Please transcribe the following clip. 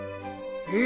え！